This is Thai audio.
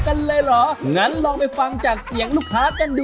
โอ้โหแฟนเราบอกว่าโคตรเยอะเลย